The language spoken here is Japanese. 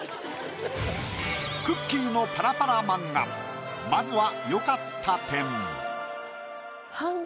くっきー！のパラパラ漫画まずは。